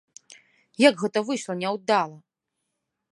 Як гэта выйшла няўдала!